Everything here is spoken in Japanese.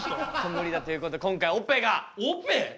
無理だということで今回オペが。